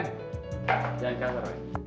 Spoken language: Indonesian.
jangan kaget wih